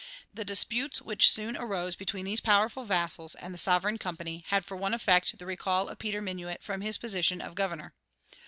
The disputes which soon arose between these powerful vassals and the sovereign Company had for one effect the recall of Peter Minuit from his position of governor.